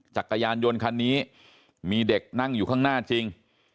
จักรยานยนต์คันนี้มีเด็กนั่งอยู่ข้างหน้าจริง